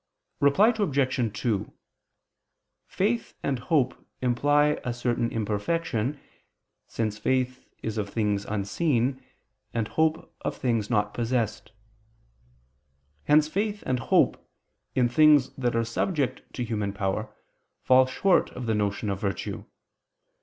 Reply Obj. 2: Faith and hope imply a certain imperfection: since faith is of things unseen, and hope, of things not possessed. Hence faith and hope, in things that are subject to human power, fall short of the notion of virtue.